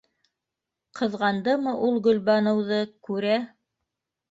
Ҡыҙғандымы ул Гөлбаныуҙы, күрә